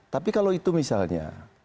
tapi kalau itu misalnya